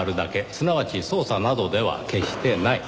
すなわち捜査などでは決してない。